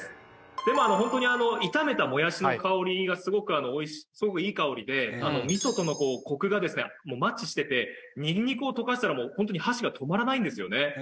でもホントに炒めたもやしの香りがすごくいい香りで味噌とのコクがですねマッチしててニンニクを溶かしたらホントに箸が止まらないんですよね。